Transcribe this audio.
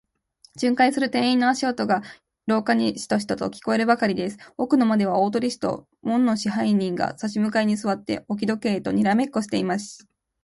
巡回する店員の足音が、廊下にシトシトと聞こえるばかりです。奥の間では、大鳥氏と門野支配人が、さし向かいにすわって、置き時計とにらめっこをしていました。